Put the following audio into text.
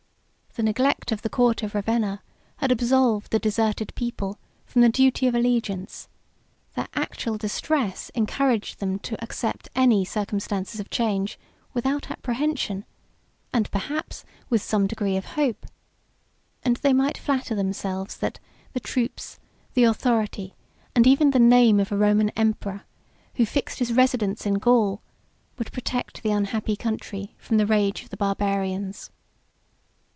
The neglect of the court of Ravenna had absolved a deserted people from the duty of allegiance; their actual distress encouraged them to accept any circumstances of change, without apprehension, and, perhaps, with some degree of hope; and they might flatter themselves, that the troops, the authority, and even the name of a Roman emperor, who fixed his residence in Gaul, would protect the unhappy country from the rage of the Barbarians.